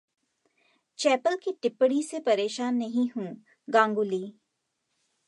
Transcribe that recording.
chapel की टिप्पणी से परेशान नहीं हूं: गांगुली